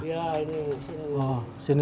iya ini kesini